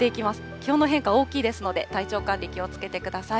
気温の変化大きいですので、体調管理、気をつけてください。